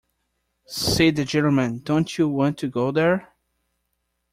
Said the gentleman, "Don't you want to go there?"